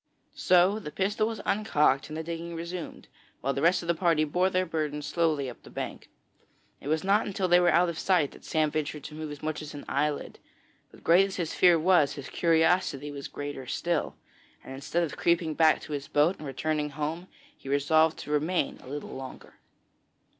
So the pistol was uncocked and the digging resumed, while the rest of the party bore their burden slowly up the bank. It was not until they were out of sight that Sam ventured to move as much as an eyelid; but great as his fear was, his curiosity was greater still, and instead of creeping back to his boat and returning home, he resolved to remain a little longer.